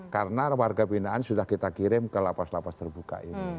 karena warga pinaan sudah kita kirim ke lapas lapas terbuka ini